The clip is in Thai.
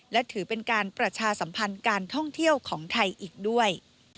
และถือเป็นการประชาสัมพันธ์การท่องเที่ยวของไทยอีกด้วย